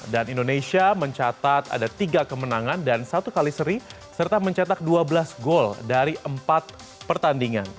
dan indonesia mencatat ada tiga kemenangan dan satu kali seri serta mencatat dua belas gol dari empat pertandingan